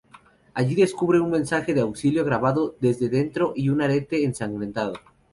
Allí descubre un mensaje de auxilio grabado desde dentro y un arete ensangrentado.